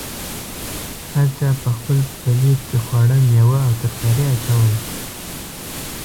هر چا په خپل پلیټ کې خواړه، میوه او ترکاري اچول.